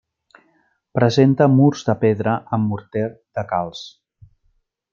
Presenta murs de pedra amb morter de calç.